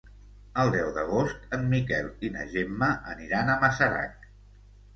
El deu d'agost en Miquel i na Gemma aniran a Masarac.